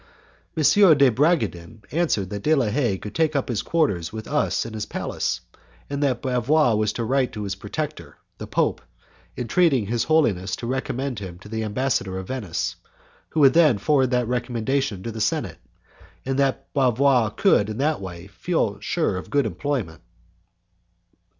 M. de Bragadin answered that De la Haye could take up his quarters with us in his palace, and that Bavois was to write to his protector, the Pope, entreating His Holiness to recommend him to the ambassador of Venice, who would then forward that recommendation to the Senate, and that Bavois could, in that way, feel sure of good employment.